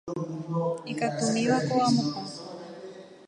Ikatumívako amokõ.